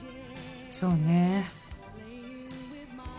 そうね。